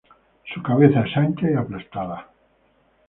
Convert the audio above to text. Su cabeza es ancha y aplastada.